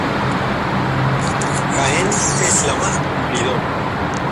Jaén es la más cumplidora